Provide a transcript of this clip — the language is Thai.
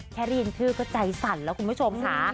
แครีร่งทื่อก็ใจสั่นแล้วคุณผู้ชมค่ะ